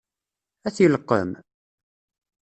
Ad t-ileqqem?